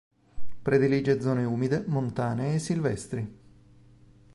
Predilige zone umide, montane e silvestri.